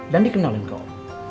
dan dikenalin kok